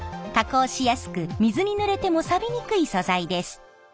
加工しやすく水にぬれてもさびにくい素材です。